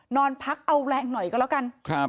นอนพักเอาแรงหน่อยก็แล้วกัน